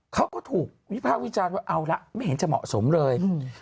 เขาก็ถูกวิภาควิจารณ์ว่าเอาละไม่เห็นจะเหมาะสมเลย